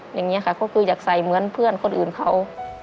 อย่างนี้ค่ะก็คืออยากใส่เหมือนเพื่อนคนอื่นเขา